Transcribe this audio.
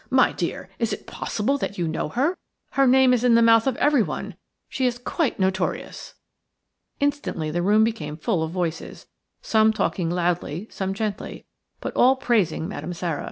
My dear, is it possible that you know her? Her name is in the mouth of everyone. She is quite notorious." Instantly the room became full of voices, some talking loudly, some gently, but all praising Madame Sara.